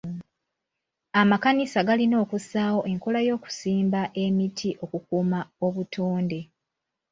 Amakanisa galina okussawo enkola y'okusimba emiti okukuuma obutonde.